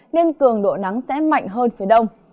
nên cường độ nắng sẽ mạnh hơn phía đông